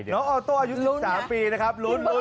น้องโอต้โอโต้อายุ๑๓ปีนะครับ